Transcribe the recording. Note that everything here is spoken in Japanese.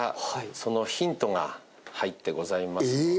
そのヒントが入ってございますので。